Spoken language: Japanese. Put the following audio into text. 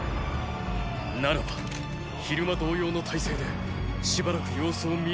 ならば昼間同様の態勢でしばらく様子を見るしかないか。